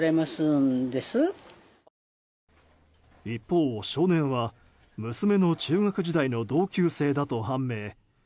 一方、少年は娘の中学時代の同級生だと判明。